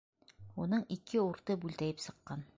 Уның ике урты бүлтәйеп сыҡҡан.